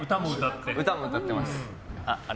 歌も歌ってます。